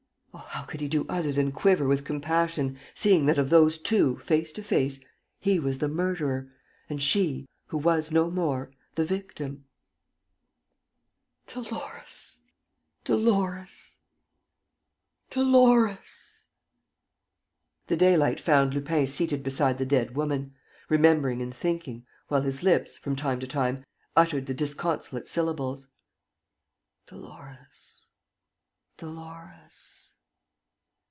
Oh! how could he do other than quiver with compassion, seeing that of those two, face to face, he was the murderer, and she, who was no more, the victim? "Dolores! ... Dolores! ... Dolores! ..."The daylight found Lupin seated beside the dead woman, remembering and thinking, while his lips, from time to time, uttered the disconsolate syllables: "Dolores! ... Dolores!